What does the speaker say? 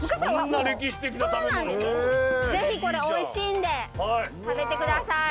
ぜひこれおいしいんで食べてください。